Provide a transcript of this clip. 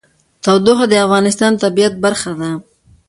تودوخه د افغانستان د طبیعت برخه ده.